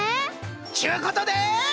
ちゅうことで。